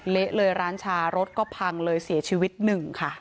เละเลยร้านชารถก็พังเลยเสียชีวิตหนึ่งค่ะ